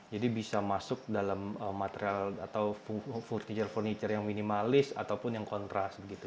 jadi bisa masuk dalam material atau furniture yang minimalis ataupun yang kontras gitu